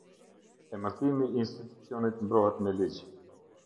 Emërtimi i institucionit mbrohet me ligj.